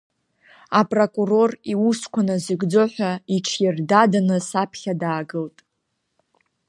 Апрокурор иусқәа назыгӡо ҳәа иҽырдаданы саԥхьа даагылт.